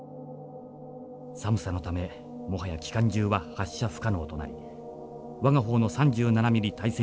寒さのためもはや機関銃は発射不可能となり我が方の３７ミリ対戦